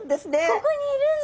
ここにいるんだ。